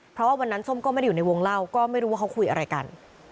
เพราะว่าวันนั้นส้มก็ไม่ได้อยู่ในวงเล่าก็ไม่รู้ว่าเขาคุยอะไรกัน